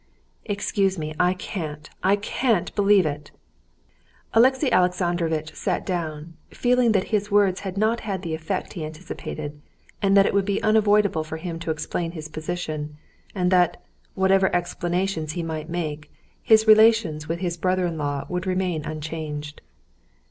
"Excuse me, I can't, I can't believe it!" Alexey Alexandrovitch sat down, feeling that his words had not had the effect he anticipated, and that it would be unavoidable for him to explain his position, and that, whatever explanations he might make, his relations with his brother in law would remain unchanged.